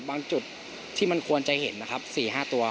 จุดที่มันควรจะเห็นนะครับ๔๕ตัว